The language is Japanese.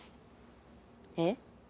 えっ？